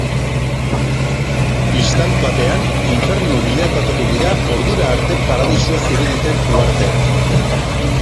Istant batean, infernu bilakatuko dira ordura arte paradisua ziruditen uharteak.